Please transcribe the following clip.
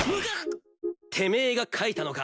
てめえが書いたのか？